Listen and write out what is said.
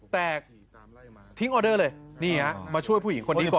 แต่ทิ้งออเดอร์เลยนี่ฮะมาช่วยผู้หญิงคนนี้ก่อน